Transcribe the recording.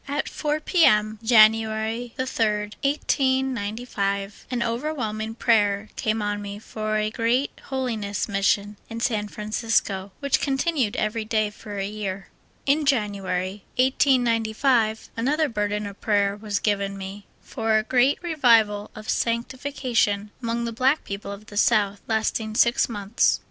At 4 P. M., January 3d, 1895, ^^ over^vhelming prayer came on me for a great Holiness Mission in San Francisco, which continued every day for a year. In July, 1895, another burden of prayer was given me for a great Revival of sanctification among the black people of the South, lasting six months.